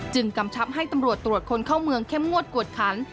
กำชับให้ตำรวจตรวจคนเข้าเมืองเข้มงวดกวดขัน